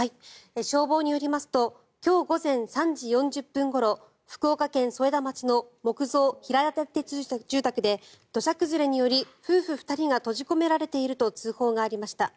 消防によりますと今日午前３時４０分ごろ福岡県添田町の木造平屋建て住宅で土砂崩れにより夫婦２人が閉じ込められていると通報がありました。